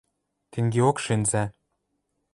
Тенгеок шӹнзӓ.